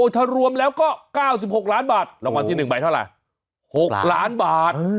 ถ้ารวมแล้วก็เก้าสิบหกล้านบาทรางวัลที่หนึ่งใบเท่าไรหกล้านบาท